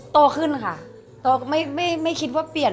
โตขึ้นค่ะโตก็ไม่คิดว่าเปลี่ยน